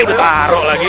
eh udah taro lagi